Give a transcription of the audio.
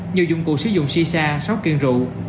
nhiều dụng cụ sử dụng xây xa sáu kiện rượu